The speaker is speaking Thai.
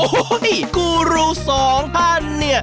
โอ้ยกูรูสองพันเนี่ย